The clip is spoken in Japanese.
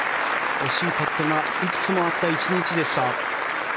惜しいパットがいくつもあった１日でした。